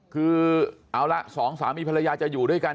คือเอาละสองสามีภรรยาจะอยู่ด้วยกัน